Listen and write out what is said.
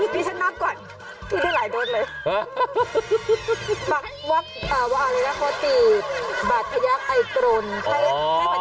ดิฉันนับก่อนพูดได้หลายโดสเลย